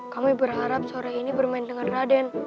kami berharap sore ini bermain dengan raden